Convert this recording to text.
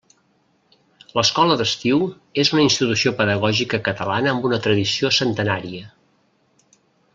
L'Escola d'Estiu és una institució pedagògica catalana amb una tradició centenària.